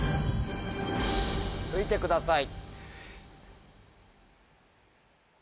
吹いてください。